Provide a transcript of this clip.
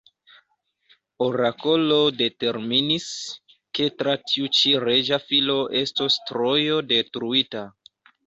Orakolo determinis, ke tra tiu ĉi reĝa filo estos Trojo detruita.